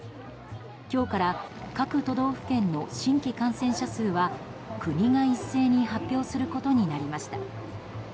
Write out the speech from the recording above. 今日から各都道府県の新規感染者数は国が、一斉に発表することになりました。